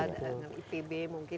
dengan ipb mungkin